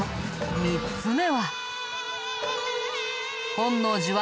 ３つ目は。